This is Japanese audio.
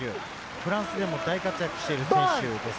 フランスでも大活躍している選手です。